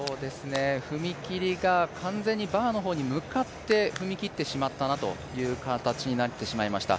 踏み切りが完全にバーの方に向かって踏み切ってしまったなという形になってしまいました。